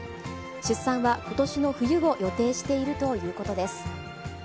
出産はことしの冬を予定しているということです。